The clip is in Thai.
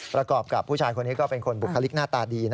ประกอบกับผู้ชายคนนี้ก็เป็นคนบุคลิกหน้าตาดี